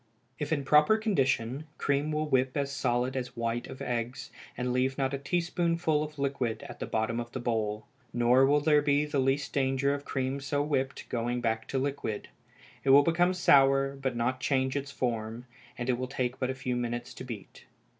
If in proper condition, cream will whip as solid as white of eggs, and leave not a teaspoonful of liquid at the bottom of the bowl; nor will there be the least danger of cream so whipped going back to liquid. It will become sour, but not change its form; and it will take but a few minutes to beat.